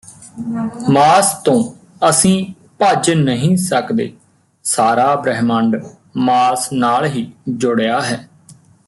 ਮਾਸ ਤੋਂ ਅਸੀਂ ਭੱਜ ਨਹੀਂ ਸਕਦੇ ਸਾਰਾਂ ਬ੍ਰਹਿਮੰਡ ਮਾਸ ਨਾਲ ਹੀ ਜੁੜਿਆਂ ਹੈ